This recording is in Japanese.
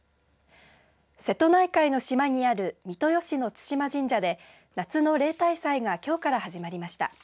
瀬戸内海の島にある三豊市の津嶋神社で夏の例大祭がきょうから始まりました。